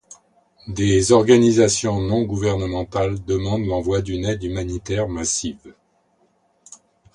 Des organisations non gouvernementales demandent l'envoi d'une aide humanitaire massive.